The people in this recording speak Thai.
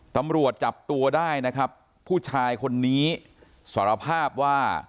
ตำรวจจับตัวได้นะครับผู้ชายคนนี้สารภาพว่า